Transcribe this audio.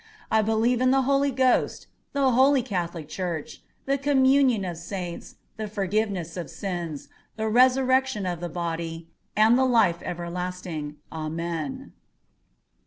I believe in the Holy Ghost the Holy Catholic Church, the communion of Saints, the forgiveness of sins, the resurrection of the body, and the life everlasting. Amen.